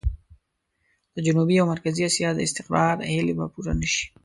د جنوبي او مرکزي اسيا د استقرار هيلې به پوره نه شي.